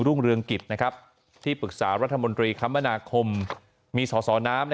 รุ่งเรืองกิจที่ปรึกษารัฐมนตรีคมนาคมมีสอสอน้ำ